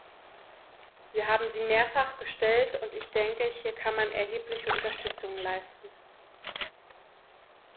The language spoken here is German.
Wir haben sie mehrfach gestellt, und ich denke, hier kann man erhebliche Unterstützung leisten.